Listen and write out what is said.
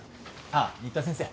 あっ新田先生